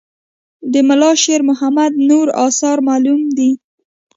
د ملا شیر محمد نور آثار معلوم دي.